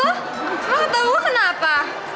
emang ketau gue kenapa